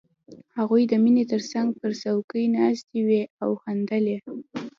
هغوی د مينې تر څنګ پر څوکۍ ناستې وې او خندلې